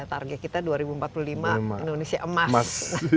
target kita dua ribu empat puluh lima indonesia emas